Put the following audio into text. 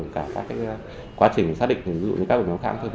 cả các quá trình xác định dù như các ổ nhóm khác